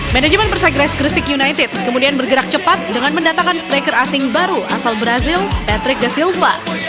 manajemen persegres gresik united kemudian bergerak cepat dengan mendatangkan striker asing baru asal brazil patrick da silva